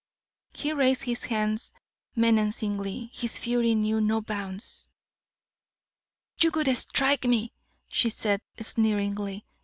He raised his hands menacingly, his fury knew no bounds. "You would strike me!" she said, sneeringly.